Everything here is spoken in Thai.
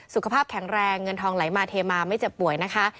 สุขภาพแข็งแรงเงินทองไหลมาเทมาไม่เจ็บป่วยนะคะ